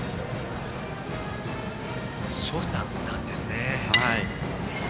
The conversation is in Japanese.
所作なんですね。